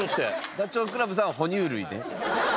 ダチョウ倶楽部さんはほ乳類ね。